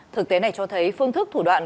thực tế này cho thấy phương thức thủ đoạn